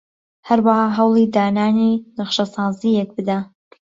هەروەها هەوڵی دانانی نەخشەسازییەک بدە